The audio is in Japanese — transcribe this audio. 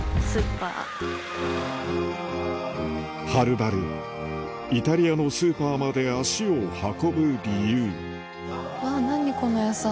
はるばるイタリアのスーパーまで足を運ぶ理由わぁ何この野菜。